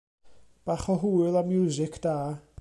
Bach o hwyl a miwsig da.